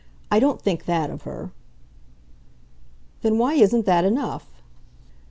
"I don't think that of her." "Then why isn't that enough?"